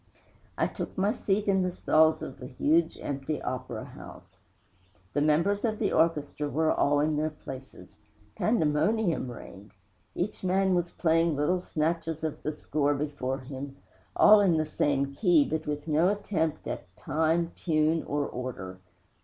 I took my seat in the stalls of the huge empty opera house. The members of the orchestra were all in their places. Pandemonium reigned! Each man was playing little snatches of the score before him, all in the same key, but with no attempt at time, tune or order.